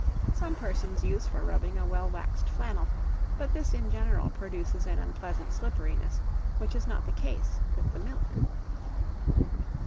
Some persons use for rubbing a well waxed flannel; but this in general produces an unpleasant slipperiness, which is not the case with the milk.